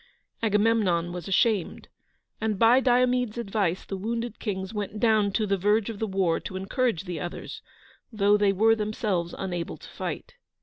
Agamemnon was ashamed, and, by Diomede's advice, the wounded kings went down to the verge of the war to encourage the others, though they were themselves unable to fight.